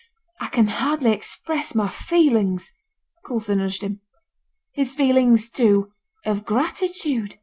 'I can hardly express my feelings' (Coulson nudged him) 'his feelings, too of gratitude.